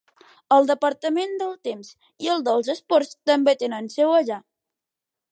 El departament del temps i el dels esports també tenen seu allà.